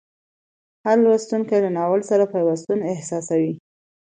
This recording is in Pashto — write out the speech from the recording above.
هر لوستونکی له ناول سره پیوستون احساسوي.